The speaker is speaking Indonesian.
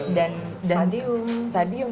ada yang di stadium